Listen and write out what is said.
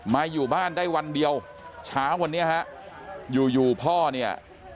อยู่บ้านได้วันเดียวเช้าวันนี้ฮะอยู่อยู่พ่อเนี่ย